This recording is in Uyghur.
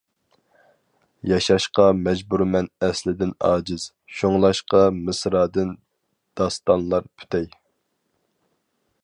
ياشاشقا مەجبۇرمەن ئەسلىدىن ئاجىز، شۇڭلاشقا مىسرادىن داستانلار پۈتەي.